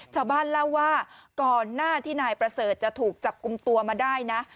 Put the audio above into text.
ชาวบ้านเล่าว่าก่อนหน้าที่นายประเสริฐจะถูกจับกลุ่มตัวมาได้นะ